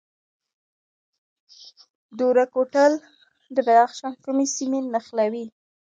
دوره کوتل د بدخشان کومې سیمې نښلوي؟